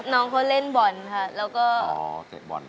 น้องเขาเล่นบอลค่ะแล้วก็อ๋อเตะบอล